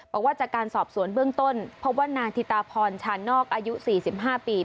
บอกว่าจากการสอบสวนเบื้องต้นพบว่านางธิตาพรชานอกอายุ๔๕ปี